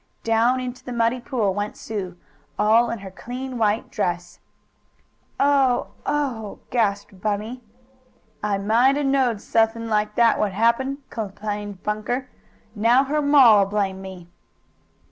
Down into the muddy pool went Sue, all in her clean white dress. "Oh Oh!" gasped Bunny. "I might a'knowed suthin' like that would happen," complained Bunker. "Now her ma'll blame me!"